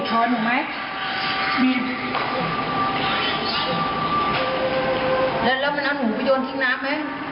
เข้าไปคริบโพรนอันนู้นไปทิ้ง